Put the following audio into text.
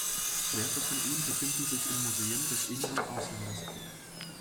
Werke von ihm befinden sich in Museen des In- und Auslandes.